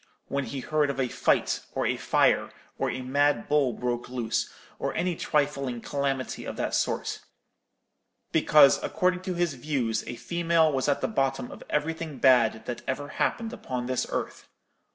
when he heard of a fight, or a fire, or a mad bull broke loose, or any trifling calamity of that sort; because, according to his views, a female was at the bottom of everything bad that ever happened upon this earth.